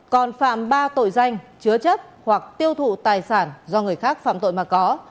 còn phạm ba tội danh chứa chấp hoặc tiêu thụ tài sản do người khác phạm tội mà có